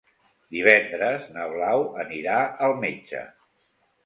Divendres na Blau anirà al metge.